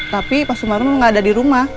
tapi pak sumarno gak ada di rumah